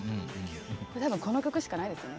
多分この曲しかないですよね。